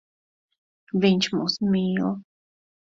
Viņš mūs mīl.